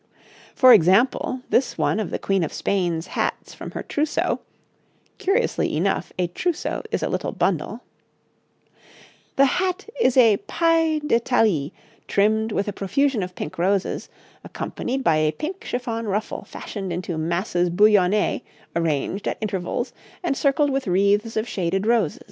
For example, this one of the Queen of Spain's hats from her trousseau (curiously enough a trousseau is a little bundle): 'The hat is a paille d'Italie trimmed with a profusion of pink roses, accompanied by a pink chiffon ruffle fashioned into masses bouillonnée arranged at intervals and circled with wreaths of shaded roses.'